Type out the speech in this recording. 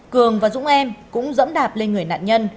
cường và dũng em cũng dẫm đạp lên người nạn nhân